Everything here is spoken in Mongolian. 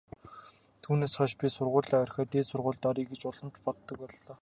Түүнээс хойш би сургуулиа орхиод дээд сургуульд оръё гэж улам ч боддог боллоо.